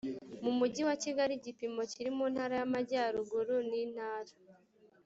mu mujyi wa kigali igipimo kiri mu ntara y amajyaruguru ni intara